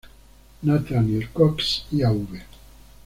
Nathaniel Cox y Av.